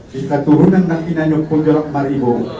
di katurunan nangkinani punjurak maribu